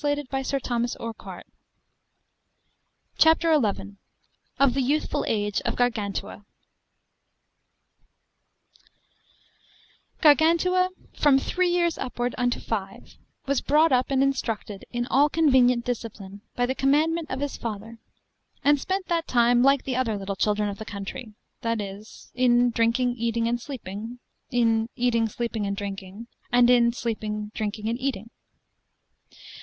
Chapter 1.XI. Of the youthful age of Gargantua. [Illustration: On the Road to the Castle 1 11 026] Gargantua, from three years upwards unto five, was brought up and instructed in all convenient discipline by the commandment of his father; and spent that time like the other little children of the country, that is, in drinking, eating, and sleeping: in eating, sleeping, and drinking: and in sleeping, drinking, and eating.